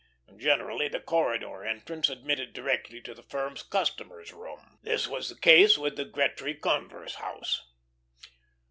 Generally the corridor entrance admitted directly to the firm's customers' room. This was the case with the Gretry Converse house.